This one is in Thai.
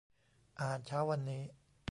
อาหารเช้าวันนี้